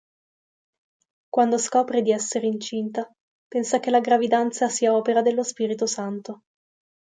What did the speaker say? Quando scopre di essere incinta, pensa che la gravidanza sia opera dello Spirito Santo.